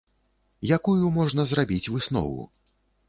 Якую можна зрабіць выснову?